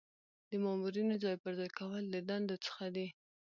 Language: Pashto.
د مامورینو ځای پر ځای کول د دندو څخه دي.